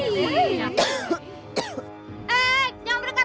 eh jangan berdekat